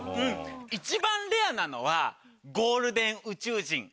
一番レアなのはゴールデン宇宙人。